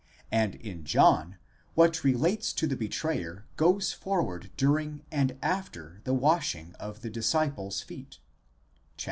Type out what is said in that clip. and in John what relates to the betrayer goes forward during and after the washing of the disciples' feet (xiii.